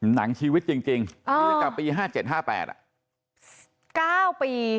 หนังชีวิตจริงจากปี๕๗๕๘